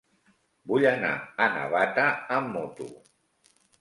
Vull anar a Navata amb moto.